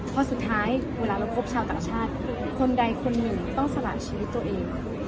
เพราะสุดท้ายเวลาเราพบชาวต่างชาติคนใดคนหนึ่งต้องสละชีวิตตัวเอง